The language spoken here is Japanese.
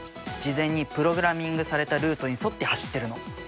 事前にプログラミングされたルートに沿って走ってるの。